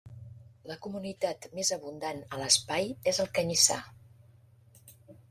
La comunitat més abundant a l’espai és el canyissar.